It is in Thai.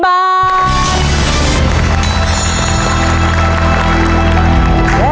ช้าป่ะน้องเนิร์ด